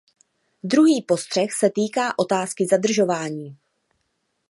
Druhý postřeh se týká otázky zadržování.